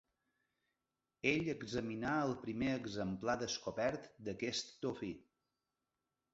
Ell examinà el primer exemplar descobert d'aquest dofí.